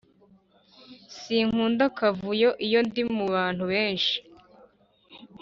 Sinkunda akavuyo iyo ndimubantu benshi